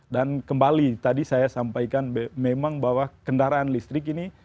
dan kembali tadi saya sampaikan memang bahwa kendaraan listrik ini